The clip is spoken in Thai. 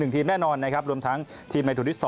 ทีมแน่นอนนะครับรวมทั้งทีมในตัวที่๒